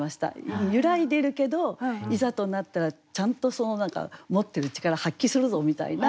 揺らいでいるけどいざとなったらちゃんとその何か持ってる力発揮するぞみたいな。